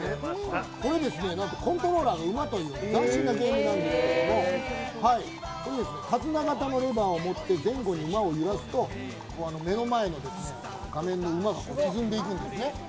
これはコントローラーが馬という斬新なゲームなんですけど手綱型のレバーを持って前後に揺らすと画面の馬が進んでいくんですね。